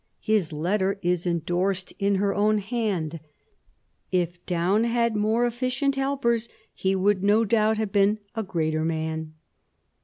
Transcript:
His letter is endorsed in her own hand, " If Daun had had more efficient helpers he would no doubt have been a greater man."